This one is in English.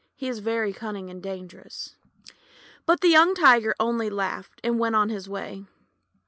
He is very cunning and dangerous." But the young Tiger only laughed, and went his way.